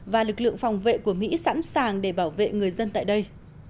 và lực lượng phòng vệ của mỹ sẵn sàng để bảo vệ người dân tại đây